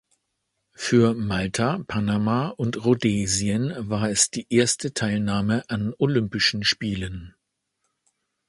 Für Malta, Panama und Rhodesien war es die erste Teilnahme an Olympischen Spielen.